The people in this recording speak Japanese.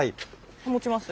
持ちます。